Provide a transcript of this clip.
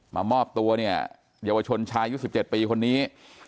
มามอบตัวเนี่ยเยาวชนชายุด๑๗ปีคนนี้